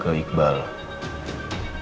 kalau aku udah ketemu dennis